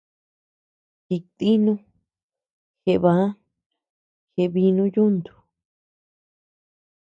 Jikdinu, jeé baa, jeé biinu yuntu.